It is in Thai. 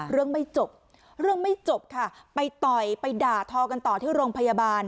เรื่องไม่จบเรื่องไม่จบค่ะไปต่อยไปด่าทอกันต่อที่โรงพยาบาล